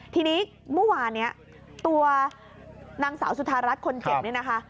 ทีนี้เมื่อวานนี้ตัวนางสาวสุธารัฐคนเจ็บเนี่ยนะคะ